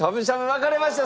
分かれました！